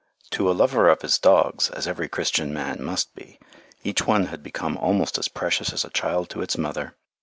To a lover of his dogs, as every Christian man must be, each one had become almost as precious as a child to its mother.